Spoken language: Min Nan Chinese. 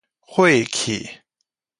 費氣